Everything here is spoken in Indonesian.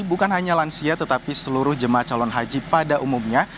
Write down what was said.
bukan hanya lansia tetapi seluruh jemaah calon haji pada umumnya